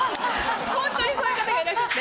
ほんとにそういう方がいらっしゃって。